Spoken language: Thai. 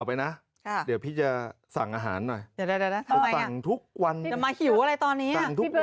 เอาไปนะเดี๋ยวพี่จะสั่งอาหารหน่อยสั่งทุกวันเลยสั่งทุกวันเลยจะมาหิวอะไรตอนนี้